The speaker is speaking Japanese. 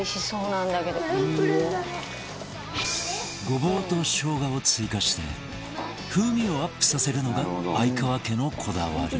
ごぼうとしょうがを追加して風味をアップさせるのが相川家のこだわり